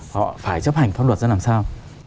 họ phải chấp hành pháp luật ra làm sao